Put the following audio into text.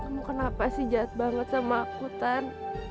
kamu kenapa sih jahat banget sama aku tan